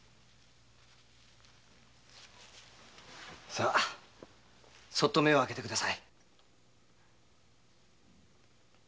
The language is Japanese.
さそっと目を開けて下さい。